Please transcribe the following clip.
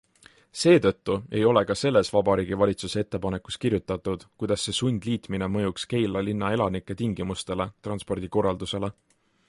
Seetõttu ei ole ka selles vabariigi valitsuse ettepanekus kirjutatud, kuidas see sundliitmine mõjuks Keila linna elanike tingimustele, transpordikorraldusele.